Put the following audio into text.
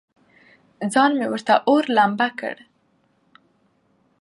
ځان مې ورته اور، لمبه کړ.